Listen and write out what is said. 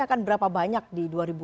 akan berapa banyak di dua ribu dua puluh